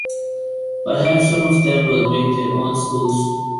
Perhaps some of them will make their own schools.